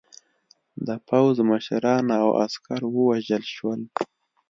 د پوځ مشران او عسکر ووژل شول.